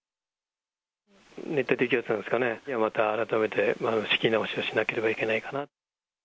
熱帯低気圧なんですかね、また改めて仕切り直しをしなければいけないかな。